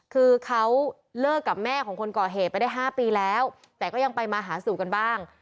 คือเขาเลิกกับแม่ของคนก่อเหตุไปได้๕ปีแล้วแต่ก็ยังไปมาหาสู่กันบ้าง